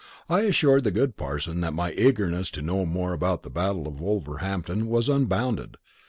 I assured the good parson that my eagerness to know more about the Battle of Wolverhampton was unbounded.